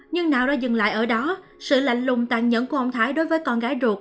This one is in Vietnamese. nhưng nào đã dừng lại ở đó sự lạnh lùng tàn nhẫn của ông thái đối với con gái ruột